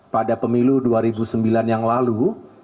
pada pemilu dua ribu sembilan yang lalu